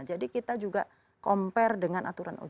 jadi kita juga compare dengan aturan ojt